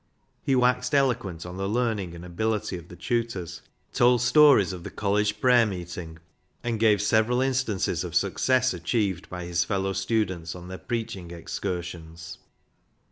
He waxed eloquent on the learning and ability of the tutors, told stories of the college prayer meeting, and gave several instances of success achieved by his fellow students on their preach ing excursions.